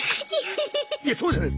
いやそうじゃない。